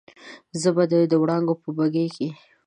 زه به د وړانګو په بګۍ کې